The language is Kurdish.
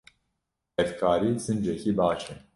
Hevkarî sincekî baş e.